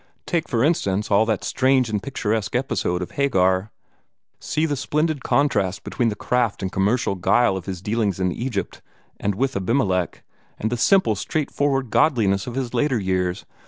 Take for instance all that strange and picturesque episode of Hagar: see the splendid contrast between the craft and commercial guile of his dealings in Egypt and with Abimelech, and the simple, straightforward godliness of his later years.